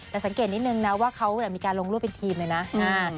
แต่สังเกตนิดนึงนะว่าเขามีการลงรูปเป็นทีมเลยนะ